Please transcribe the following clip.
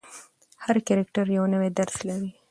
هر کرکټر یو نوی درس لري.